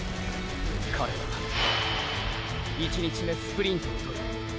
彼は１日目スプリントを獲り